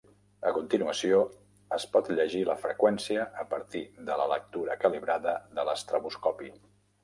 A continuació, es pot llegir la freqüència a partir de la lectura calibrada de l'estroboscopi.